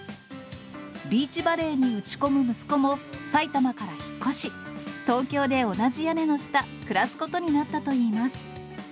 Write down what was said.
ビーチバレーに打ち込む息子も、埼玉から引っ越し、東京で同じ屋根の下、暮らすことになったといいます。